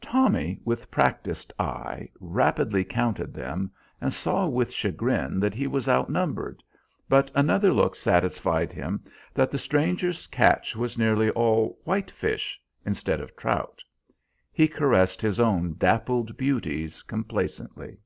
Tommy, with practiced eye, rapidly counted them and saw with chagrin that he was outnumbered, but another look satisfied him that the stranger's catch was nearly all "white fish" instead of trout. He caressed his own dappled beauties complacently.